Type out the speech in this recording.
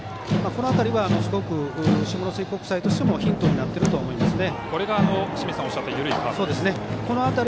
この辺りはすごく下関国際としてもヒントになってると思いますね。